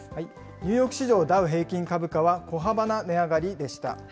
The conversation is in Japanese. ニューヨーク市場ダウ平均株価は小幅な値上がりでした。